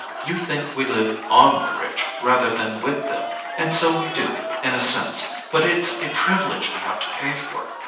You think we live ON the rich, rather than with them: and so we do, in a sense—but it's a privilege we have to pay for!